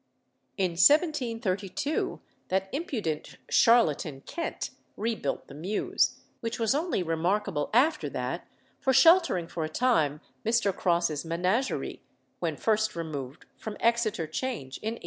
In 1732 that impudent charlatan, Kent, rebuilt the Mews, which was only remarkable after that for sheltering for a time Mr. Cross's menagerie, when first removed from Exeter Change in 1829.